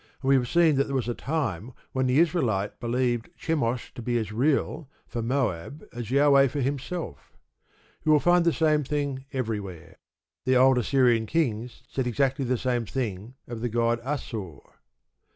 And we have seen that there was a time when the Israelite believed Chemosh to be as real for Moab as Jahweh for himself. You find the same thing everywhere. The old Assyrian kings said exactly the same thing of the god Assur.